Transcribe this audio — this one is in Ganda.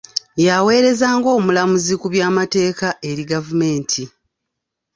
Yaweereza ng'omuwabuzi ku by'amateeka eri gavumenti.